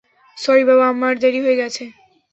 Sorry বাবা, আমার দেরি হয়ে গেছে।